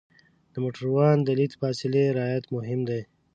د موټروان د لید فاصلې رعایت مهم دی.